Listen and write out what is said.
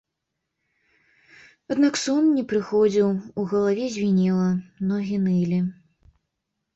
Аднак сон не прыходзіў, у галаве звінела, ногі нылі.